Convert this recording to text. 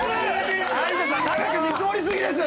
有田さん高く見積もりすぎですよ